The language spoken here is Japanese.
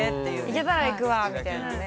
行けたら行くわみたいなね。